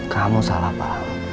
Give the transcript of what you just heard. kamu salah paham